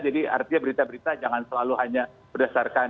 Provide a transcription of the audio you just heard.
jadi artinya berita berita jangan selalu hanya berdasarkan